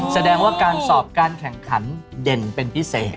แสดงว่าการสอบการแข่งขันเด่นเป็นพิเศษ